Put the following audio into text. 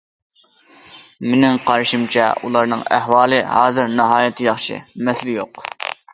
مېنىڭ قارىشىمچە ئۇلارنىڭ ئەھۋالى ھازىر ناھايىتى ياخشى، مەسىلە يوق.